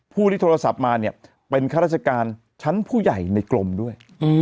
ผู้ที่โทรศัพท์มาเนี่ยเป็นข้าราชการชั้นผู้ใหญ่ในกรมด้วย